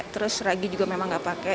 terus ragi juga memang nggak pakai